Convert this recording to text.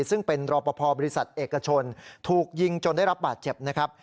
ซึ่งเป็นรอปภบริษัทเอกชนถูกยิงจนได้รับบาดเจ็บนะครับ